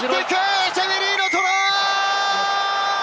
エチェベリーのトライ！